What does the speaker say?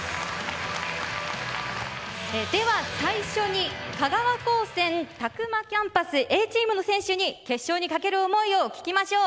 では最初に香川高専詫間キャンパスＡチームの選手に決勝にかける思いを聞きましょう。